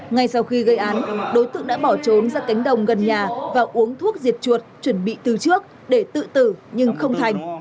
ngay sau khi gây án đối tượng đã bỏ trốn ra cánh đồng gần nhà và uống thuốc diệt chuột chuẩn bị từ trước để tự tử nhưng không thành